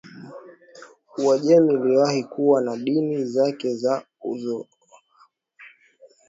Uajemi iliwahi kuwa na dini zake za Uzoroasta na Umani